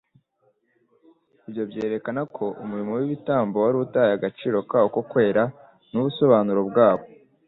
ibyo byerekana ko umurimo w'ibitambo wari utaye agaciro kawo ko kwera n'ubusobanuro bwawo.